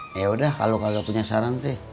yaudah kalau kagak punya saran sih